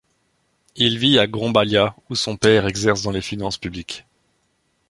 Il vit à Grombalia où son père exerce dans les finances publiques.